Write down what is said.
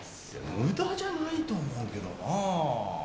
無駄じゃないと思うけどな。